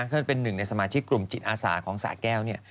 ท่านเป็นหนึ่งในสมาชิกกลุ่มจิตอาสาของสาแก้วเนี่ย